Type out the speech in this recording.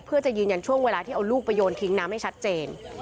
เพื่อจะยืนยันช่วงเวลาที่เอาลูกไปโยนทิ้งน้ำให้ชัดเจน